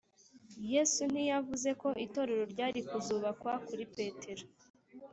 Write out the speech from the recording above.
Yesu ntiyavuze ko itorero ryari kuzubakwa kuri Petero